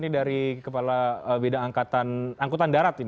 ini dari kepala bidang angkutan darat